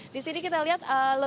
di sini kita lihat